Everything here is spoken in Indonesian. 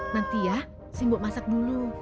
nanti aku masak dulu